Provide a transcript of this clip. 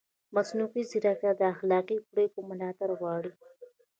مصنوعي ځیرکتیا د اخلاقي پرېکړو ملاتړ غواړي.